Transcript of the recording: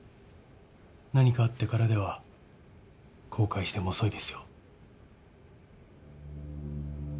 何かあってからでは後悔しても遅いですよ。